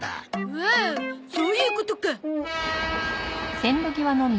おおそういうことか。